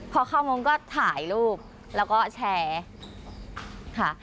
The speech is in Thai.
พอเข้ามงค์ก็ถ่ายรูปแล้วก็แชร์ค่ะ